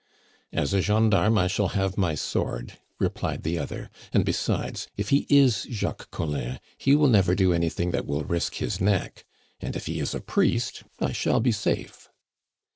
"As a gendarme I shall have my sword," replied the other; "and, besides, if he is Jacques Collin, he will never do anything that will risk his neck; and if he is a priest, I shall be safe."